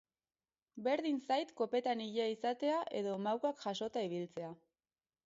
Berdin zait kopetan ilea izatea edo mahukak jasota ibiltzea.